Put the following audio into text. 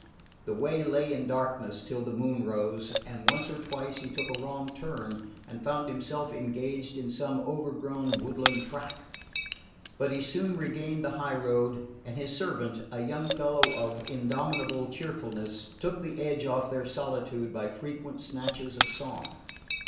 The way lay in darkness till the moon rose, and once or twice he took a wrong turn and found himself engaged in some overgrown woodland track; but he soon regained the high road, and his servant, a young fellow of indomitable cheerfulness, took the edge off their solitude by frequent snatches of song.